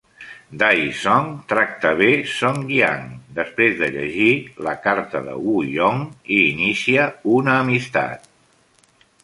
Dai Zong tracta bé Song Jiang després de llegir la carta de Wu Yong i hi inicia una amistat.